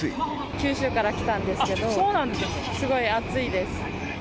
九州から来たんですけど、すごい暑いです。